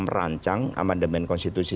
merancang amandemen konstitusi